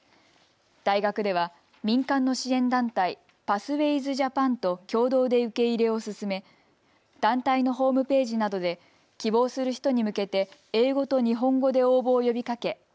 大学では民間の支援団体パスウェイズ・ジャパンと共同で受け入れを進め、団体のホームページなどで希望する人に向けて英語と日本語で応募を呼びかけ